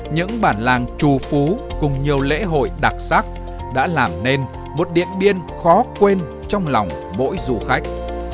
những bản làng trù phú cùng nhiều lễ hội đặc sắc đã làm nên một điện biên khó quên trong lòng mỗi du khách